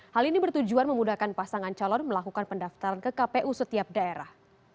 hal ini bertujuan memudahkan pasangan calon melakukan pendaftaran ke kpu setiap daerah